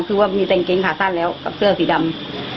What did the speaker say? คือว่ามีแต่งเกงขาสั้นแล้วกับเสื้อสีดำ